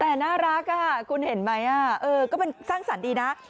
แต่น่ารักคุณเห็นไหมก็เป็นสร้างสรรค์ดีนะ